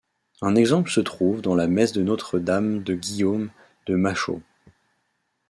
Un exemple se trouve dans la Messe de Nostre Dame de Guillaume de Machaut.